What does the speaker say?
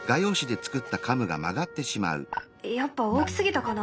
やっぱ大きすぎたかな？